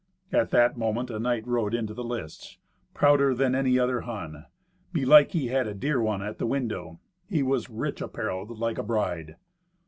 At that moment a knight rode into the lists, prouder than any other Hun. Belike he had a dear one at the window. He was rich apparelled like a bride.